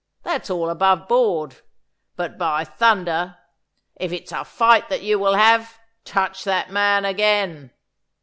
That's all above board, but by thunder, if it's a fight that you will have, touch that man again.